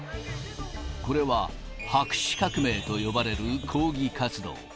これは白紙革命と呼ばれる抗議活動。